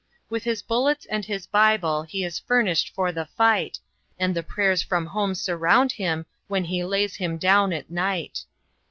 With his bullets and his Bible He is furnished for the fight, And the prayers from home surround him When he lays him down at night.